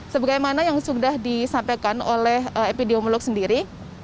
sebagai mana yang sudah disampaikan oleh pep diomolog sendiri